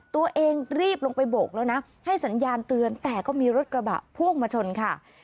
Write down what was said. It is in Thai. รีบลงไปโบกแล้วนะให้สัญญาณเตือนแต่ก็มีรถกระบะพ่วงมาชนค่ะ